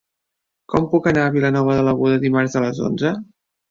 Com puc anar a Vilanova de l'Aguda dimarts a les onze?